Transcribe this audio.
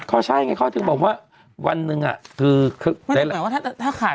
เขาใช่เขาถึงบอกว่าวันนึงอะ